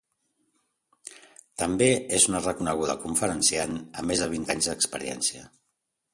També és una reconeguda conferenciant amb més de vint anys d'experiència.